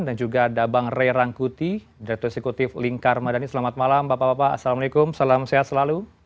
dan juga ada bang ray rangkuti direktur eksekutif lingkar madani selamat malam bapak bapak assalamualaikum salam sehat selalu